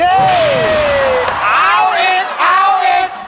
เอาอีกเอาอีก